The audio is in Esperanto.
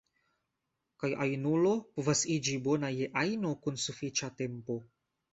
Kaj ajnulo povas iĝi bona je ajno kun sufiĉa tempo.